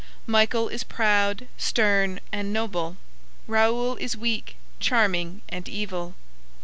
Michael is proud, stern and noble. Raoul is weak, charming and evil.